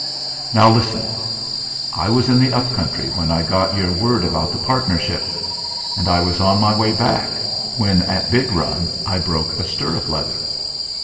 "Now, listen! I was in the upcountry when I got your word about the partnership; and I was on my way back when at Big Run I broke a stirrup leather.